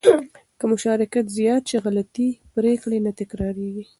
که مشارکت زیات شي، غلطې پرېکړې نه تکرارېږي.